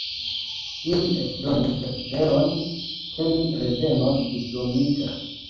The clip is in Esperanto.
Ili eĉ donis esperon, ke mi revenos diplomita.